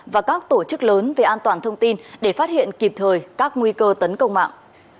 và các tổ chức lớn về an toàn thông tin để phát hiện kịp thời các nguy cơ tấn công mạng